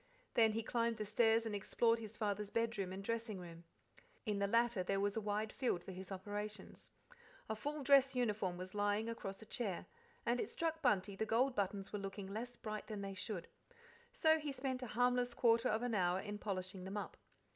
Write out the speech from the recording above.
Then he climbed the stairs and explored his father's bedroom and dressing room. In the latter there was a wide field for his operations. A full dress uniform was lying across a chair, and it struck Bunty the gold buttons were looking less bright than they should, so he spent a harmless quarter of an hour in polishing them up.